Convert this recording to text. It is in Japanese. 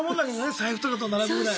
財布とかと並ぶぐらい。